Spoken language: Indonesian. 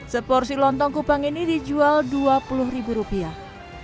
seporsi lontong kupang ini dijual dua puluh ribu rupiah